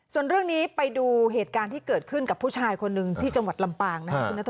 ส่วนเรื่องนี้ไปดูเหตุการณ์ที่เกิดขึ้นกับผู้ชายคนหนึ่งที่จังหวัดลำปางนะครับ